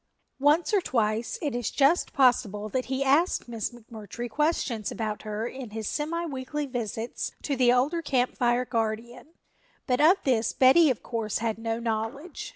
Once or twice it is just possible that he asked Miss McMurtry questions about her in his semi weekly visits to the older Camp Fire guardian, but of this Betty of course had no knowledge.